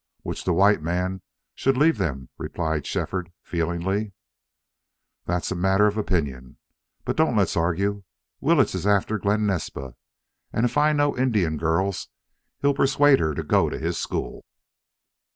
"Which the white man should leave them!" replied Shefford, feelingly. "That's a matter of opinion. But don't let's argue.... Willetts is after Glen Naspa. And if I know Indian girls he'll persuade her to go to his school."